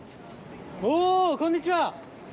おー、こんにちは。